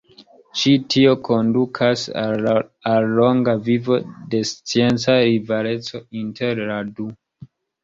Ĉi tio kondukas al longa vivo de scienca rivaleco inter la du.